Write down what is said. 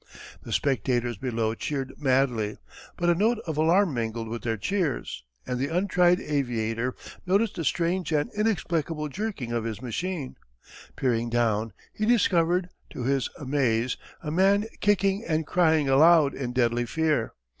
The spectators below cheered madly, but a note of alarm mingled with their cheers, and the untried aviator noticed a strange and inexplicable jerking of his machine. Peering down he discovered, to his amaze, a man kicking and crying aloud in deadly fear.